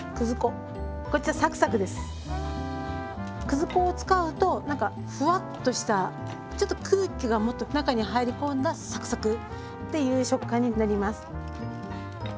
くず粉を使うとなんかふわっとしたちょっと空気がもっと中に入り込んだサクサクっていう食感になります。